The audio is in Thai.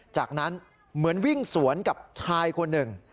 จากนั้นเหมือนวิ่งสวนกับชายคนหนึ่ง